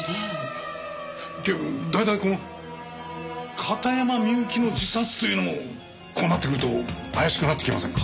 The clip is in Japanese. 警部大体この片山みゆきの自殺というのもこうなってくると怪しくなってきませんか？